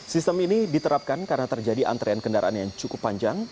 sistem ini diterapkan karena terjadi antrean kendaraan yang cukup panjang